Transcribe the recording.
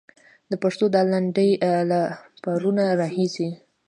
د پښتو دا لنډۍ له پرونه راهيسې.